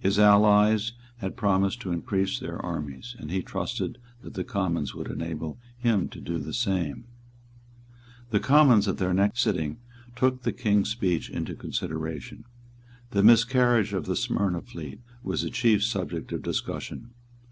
His allies had promised to increase their armies; and he trusted that the Commons would enable him to do the same. The Commons at their next sitting took the King's speech into consideration. The miscarriage of the Smyrna fleet was the chief subject of discussion.